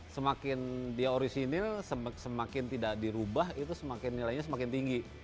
semakin dia orisinil semakin tidak dirubah itu semakin nilainya semakin tinggi